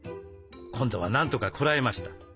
今度はなんとかこらえました。